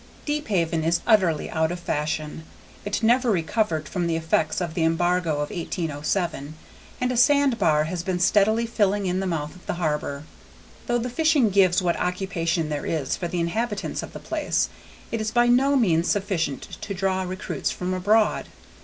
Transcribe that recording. Deephaven is utterly out of fashion. It never recovered from the effects of the embargo of 1807, and a sand bar has been steadily filling in the mouth of the harbor. Though the fishing gives what occupation there is for the inhabitants of the place, it is by no means sufficient to draw recruits from abroad.